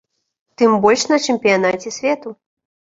Тым больш на чэмпіянаце свету.